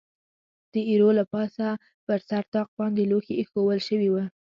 د ایرو له پاسه پر سر طاق باندې لوښي اېښوول شوي و.